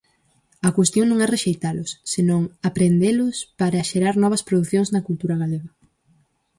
A cuestión non é rexeitalos, senón aprehendelos para xerar novas producións na cultura galega.